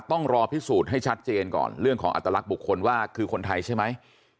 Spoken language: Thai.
ต้องรอพิสูจน์ให้ชัดเจนก่อนเรื่องของอัตลักษณ์บุคคลว่าคือคนไทยใช่ไหม